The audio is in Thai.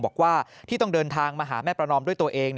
บอกว่าที่ต้องเดินทางมาหาแม่ประนอมด้วยตัวเอง